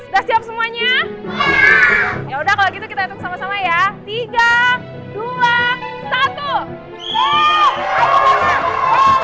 ya aku akan melakuin